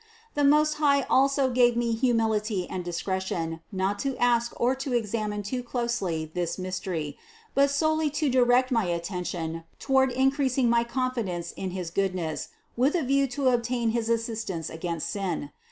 324. The Most High also gave me humility and dis cretion, not to ask or to examine too closely this mys THE CONCEPTION 261 tery, but solely to direct my attention toward increasing my confidence in his goodness with a view to obtain his assistance against sin.